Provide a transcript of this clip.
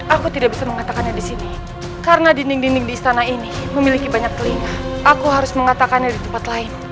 aku tidak bisa mengatakannya di sini karena dinding dinding di istana ini memiliki banyak telinga aku harus mengatakannya di tempat lain